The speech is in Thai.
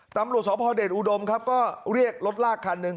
ตำรวจสพเดชอุดมครับก็เรียกรถลากคันหนึ่ง